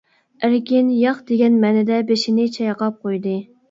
ئەركىن ياق دېگەن مەنىدە بېشىنى چايقاپ قويدى.